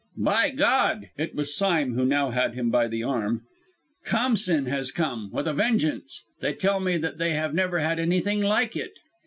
"By God!" it was Sime who now had him by the arm "Khamsîn has come with a vengeance! They tell me that they have never had anything like it!"